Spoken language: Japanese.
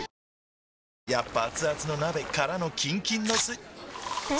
やっぱアツアツの鍋からのキンキンのスん？